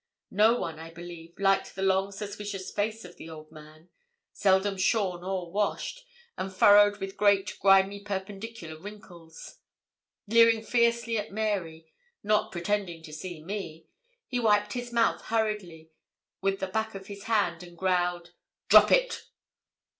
No one, I believe, liked the long suspicious face of the old man, seldom shorn or washed, and furrowed with great, grimy perpendicular wrinkles. Leering fiercely at Mary, not pretending to see me, he wiped his mouth hurriedly with the back of his hand, and growled 'Drop it.'